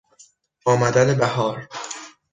آمدن بهار